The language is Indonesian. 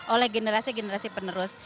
oleh generasi generasi penerus